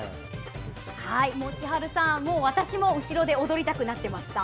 千晴さん、私も後ろで踊りたくなってました。